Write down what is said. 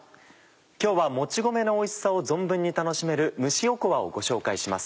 今日はもち米のおいしさを存分に楽しめる蒸しおこわをご紹介します。